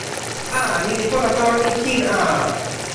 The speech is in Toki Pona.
a, ni li pona tawa mi kin a.